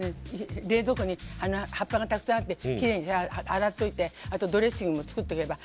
冷蔵庫に葉っぱがたくさんあってきれいに洗っておいてあと、ドレッシングも作っておけば。